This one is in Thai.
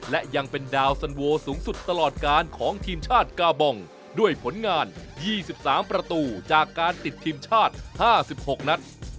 และยังเป็นดาวสันโวสูงสุดตลอดการของทีมชาติกาบองด้วยผลงาน๒๓ประตูจากการติดทีมชาติ๕๖นัด